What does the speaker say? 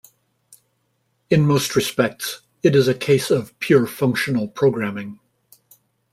In most respects, it is a case of pure functional programming.